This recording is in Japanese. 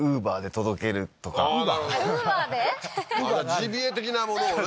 ジビエ的なものをね